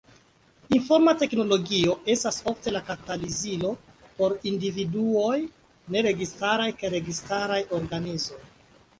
Informa teknologio estas ofte la katalizilo por individuoj, neregistaraj kaj registaraj organizoj.